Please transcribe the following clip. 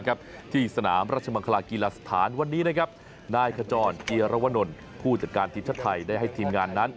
ที่สนามราชมังคลากีฬาสถานวันนี้นะครับนายขจรเกียรวนลผู้จัดการทีมชาติไทยได้ให้ทีมงานนั้น